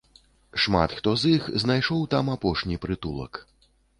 Шмат хто з іх і знайшоў там апошні прытулак.